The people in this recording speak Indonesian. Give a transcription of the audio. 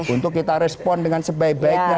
untuk kita respon dengan sebaik baiknya